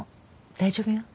大丈夫よ。